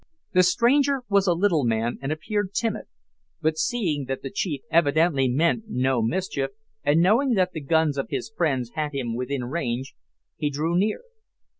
The stranger was a little man, and appeared timid, but seeing that the chief evidently meant no mischief, and knowing that the guns of his friends had him within range, he drew near.